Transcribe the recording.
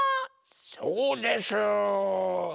そうです！